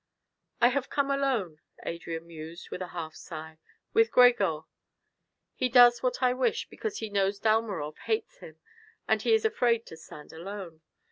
"I have come alone," Adrian mused, with a half sigh, "with Gregor. He does what I wish because he knows Dalmorov hates him and he is afraid to stand alone.